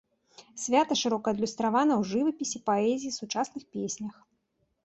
Свята шырока адлюстравана ў жывапісе, паэзіі, сучасных песнях.